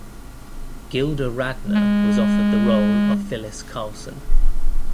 Gilda Radner was offered the role of Phyllis Carlson.